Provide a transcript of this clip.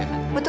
apa yang benar